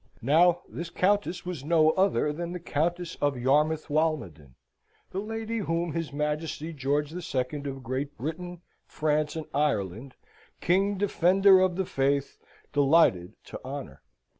Now this countess was no other than the Countess of Yarmouth Walmoden, the lady whom his Majesty George the Second, of Great Britain, France, and Ireland, King, Defender of the Faith, delighted to honour.